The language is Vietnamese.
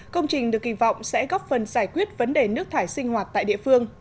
công trình được kỳ vọng sẽ góp phần giải quyết vấn đề nước thải sinh hoạt tại địa phương